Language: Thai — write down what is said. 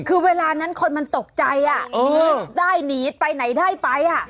คือเวลานั้นคนมันตกใจอ่ะหนีได้หนีไปไหนได้ไป